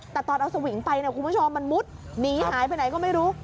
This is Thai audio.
แต่ตอนเอาสวิงไปเนี่ยคุณผู้ชมมันมุดหนีหายไปไหนก็ไม่รู้